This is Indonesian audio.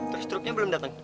terus truknya belum datang